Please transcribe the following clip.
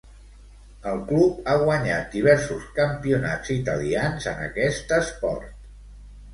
El club ha guanyat diversos campionats italians en aquest esport.